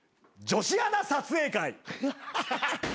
女子アナ撮影会。